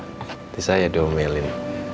nanti saya diomelin